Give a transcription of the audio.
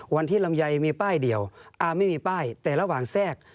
วันที่ลำไยมีป้ายเดียวอาร์มไม่มีป้ายแต่ระหว่างแทรก